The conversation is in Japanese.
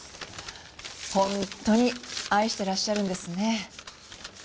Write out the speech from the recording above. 本当に愛してらっしゃるんですね。